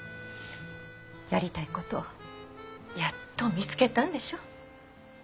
やりたいことやっと見つけたんでしょ？